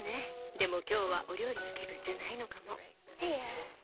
でも今日はお料理の気分じゃないのかも。